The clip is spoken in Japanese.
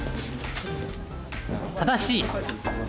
「正しい」。